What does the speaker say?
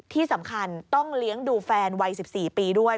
ที่สำคัญต้องเลี้ยงดูแฟนวัย๑๔ปีด้วย